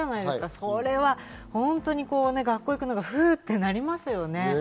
それは本当に学校に行くのがふってなりますよね。